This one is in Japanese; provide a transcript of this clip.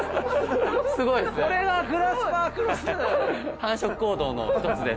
繁殖行動の一つです